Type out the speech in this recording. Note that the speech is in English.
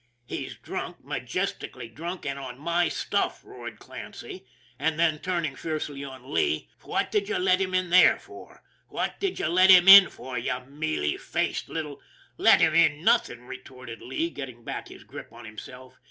" He's drunk ! Majestically drunk ! An' on my stuff!" roared Clancy; and then, turning fiercely on Lee :" Fwhat did ye let him in there for, eh ? Fwhat did ye let him in for, ye mealy faced little "" Let him in nothing !" retorted Lee, getting back his grip on himself.